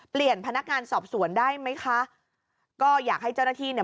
พนักงานสอบสวนได้ไหมคะก็อยากให้เจ้าหน้าที่เนี่ย